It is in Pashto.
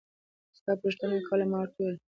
ستا پوښتنه يې کوله ما ورته وويل.